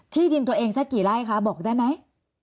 ที่ดินตัวเองสักกี่ไร่คะบอกได้ไหม